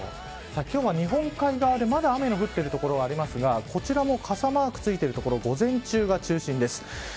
今日は日本海側でまだ雨の降っている所がありますがこちらも傘マークついてる所午前中が中心です。